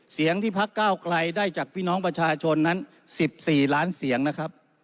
เสียงที่พักเก้าไกลได้จากพี่น้องประชาชนนั้น๑๔ล้านเสียงนะครับ